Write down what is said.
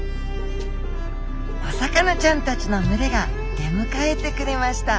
お魚ちゃんたちの群れが出迎えてくれました。